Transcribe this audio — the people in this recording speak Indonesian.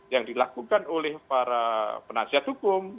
yang dilakukan oleh para penasihat hukum